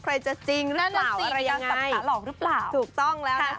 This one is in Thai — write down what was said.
ใครจะจริงหรือเปล่าอะไรยังไงถูกต้องแล้วนะครับ